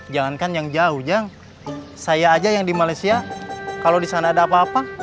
jangankan yang jauh jangan saya aja yang di malaysia kalau di sana ada apa apa